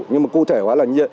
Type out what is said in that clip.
nhưng mà cụ thể hóa là